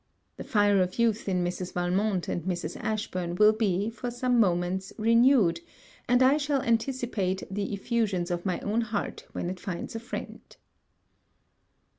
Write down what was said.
The fire of youth in Mrs. Valmont and Mrs. Ashburn will be, for some moments, renewed; and I shall anticipate the effusions of my own heart when it finds a friend.